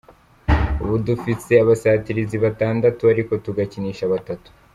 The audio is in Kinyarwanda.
Ubu dufise abasatirizi batandatu ariko tugakinisha batatu.